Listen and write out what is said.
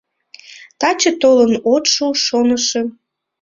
Таче толын от шу, шонышым.